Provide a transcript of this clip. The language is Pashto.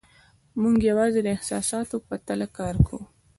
موږ یوازې د احساساتو په تله کار کوو.